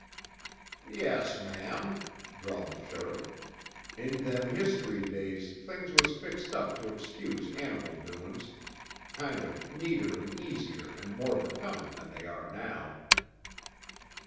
"Yes, ma'am," drawled the sheriff, "in them history days things was fixed up to excuse animal doin's, kind of neater and easier and more becomin' than they are now.